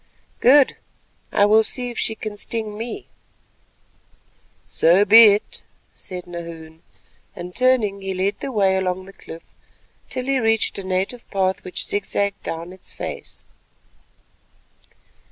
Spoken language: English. "Good; I will see if she can sting me." "So be it," said Nahoon; and turning, he led the way along the cliff till he reached a native path which zig zagged down its face.